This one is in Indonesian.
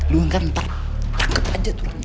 lu kan ntar raket aja tuh rania